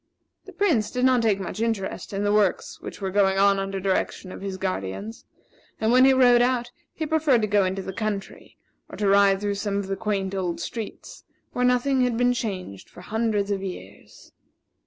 The Prince did not take much interest in the works which were going on under direction of his guardians; and when he rode out, he preferred to go into the country or to ride through some of the quaint old streets, where nothing had been changed for hundreds of years.